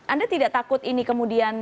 anda tidak takut ini kemudian